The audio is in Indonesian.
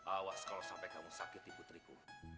awas kalau sampai kamu sakiti putriku